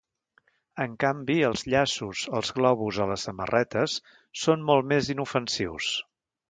En canvi, els llaços, els globus o les samarretes, són molt més inofensius.